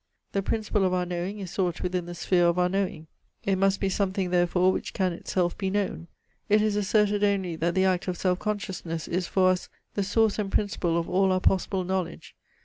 The principle of our knowing is sought within the sphere of our knowing. It must be some thing therefore, which can itself be known. It is asserted only, that the act of self consciousness is for us the source and principle of all our possible knowledge.